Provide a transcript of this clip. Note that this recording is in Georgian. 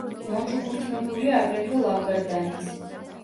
მოჩუქურთმებულია აგრეთვე ლავგარდანიც.